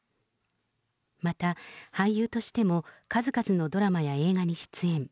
また、俳優としても数々のドラマや映画に出演。